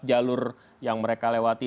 jalur yang mereka lewati